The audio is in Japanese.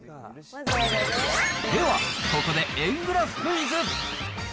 では、ここで円グラフクイズ！